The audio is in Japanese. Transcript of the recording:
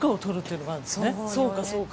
そうかそうか。